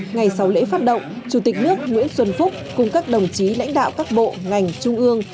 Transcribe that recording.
ngày sau lễ phát động chủ tịch nước nguyễn xuân phúc cùng các đồng chí lãnh đạo các bộ ngành trung ương